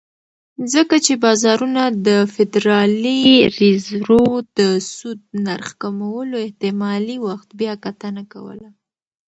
ځکه چې بازارونه د فدرالي ریزرو د سود نرخ کمولو احتمالي وخت بیاکتنه کوله.